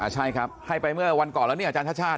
ใช่ครับให้ไปเมื่อวันก่อนแล้วนี่อาจารย์ชาติชาติ